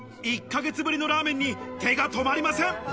１ヶ月ぶりのラーメンに手が止まりません。